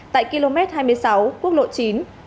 tại km hai mươi sáu quốc lộ chín